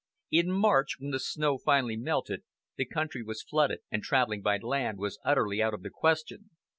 In March, when the snow finally melted, the country was flooded and traveling by land was utterly out of the question.